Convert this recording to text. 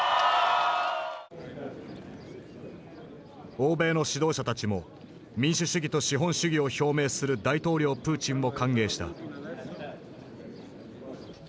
欧米の指導者たちも民主主義と資本主義を表明する大統領プーチンを歓迎した。